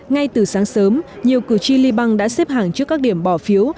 ngay từ sáng sớm nhiều cử tri liban đã xếp hàng trước các điểm bỏ phiếu